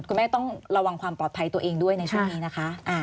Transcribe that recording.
คุณแม่ต้องระวังความปลอดภัยตัวเองด้วยในช่วงนี้นะคะ